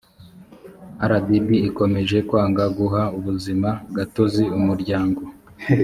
rdb ikomeje kwanga guha ubuzima gatozi umuryango